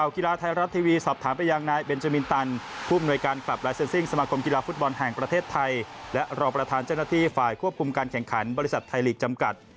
ควบคุมการแข่งขันบริษัทไทยลิกจำกัด